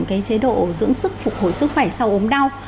cái chế độ dưỡng sức phục hồi sức khỏe sau ốm đau